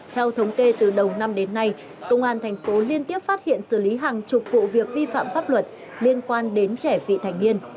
theo thống kê từ đầu năm đến nay công an thành phố liên tiếp phát hiện xử lý hàng chục vụ việc vi phạm pháp luật liên quan đến trẻ vị thành niên